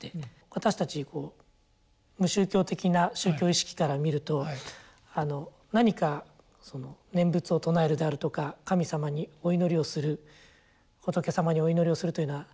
私たち無宗教的な宗教意識から見ると何か念仏を称えるであるとか神様にお祈りをする仏様にお祈りをするというような。